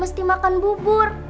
mesti makan bubur